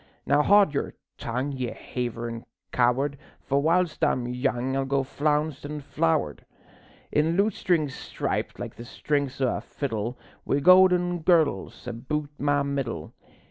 "_ Now haud your tongue, ye haverin' coward, For whilst I'm young I'll go flounced an' flowered, In lutestring striped like the strings o' a fiddle, Wi' gowden girdles aboot my middle.